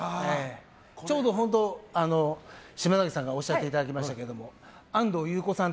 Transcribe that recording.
ちょうど島崎さんにおっしゃっていただきましたけど安藤優子さん